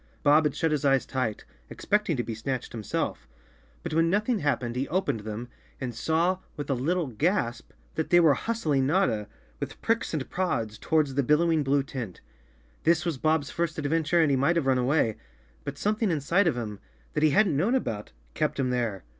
Bob had shut his eyes tight, expecting to be snatched 41 The Cowardly Lion of Oz himself, but when nothing happened he opened them and saw with a little gasp that they were hustling Notta, with pricks and prods, towards the billowing blue tent This was Bob's first adventure and he might have run away, but something inside of him, that he hadn't known about, kept him there.